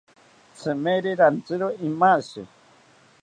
Tzimeri rantizro imashi